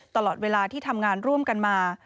ตลอดเวลาที่ทำงานร่วมกันมา